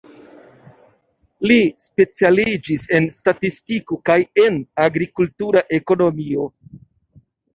Li specialiĝis en statistiko kaj en agrikultura ekonomio.